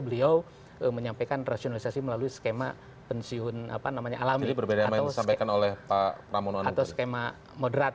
beliau menyampaikan rasionalisasi melalui skema pensiun alami atau skema moderat